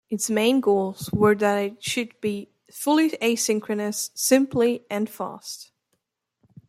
Its main goals were that it should be fully asynchronous, simple and fast.